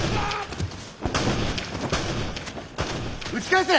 撃ち返せ！